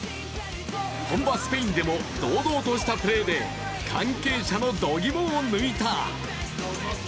本場スペインでも堂々としたプレーで関係者のどぎもを抜いた。